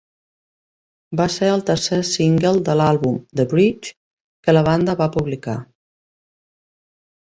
Va ser el tercer single de l'àlbum "The bridge" que la banda va publicar.